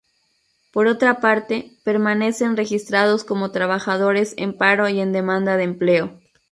Por otra parte, permanecen registrados como trabajadores en paro y en demanda de empleo.